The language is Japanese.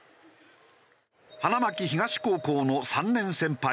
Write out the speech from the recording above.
花巻東高校の３年先輩